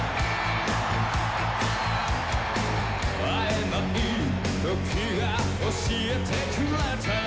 「会えない時間が教えてくれたよ」